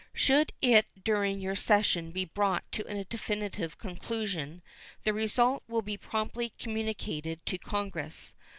Should it during your session be brought to a definitive conclusion, the result will be promptly communicated to Congress.